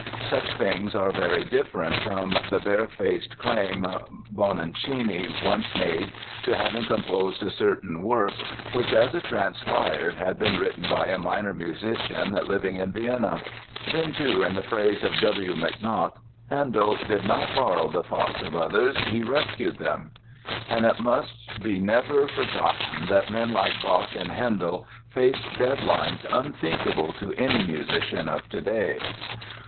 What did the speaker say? Such things are very different from the barefaced claim Bononcini once made to having composed a certain work which, as it transpired, had been written by a minor musician living in Vienna. Then too, in the phrase of W. McNaught, "Handel did not borrow the thoughts of others; he rescued them." And it must never be forgotten that men like Bach and Handel faced deadlines unthinkable to any musician of today!